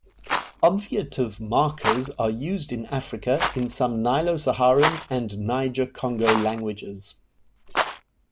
Obviative markers are used in Africa in some Nilo-Saharan and Niger-Congo languages.